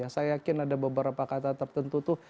saya yakin ada beberapa kata tertentu tuh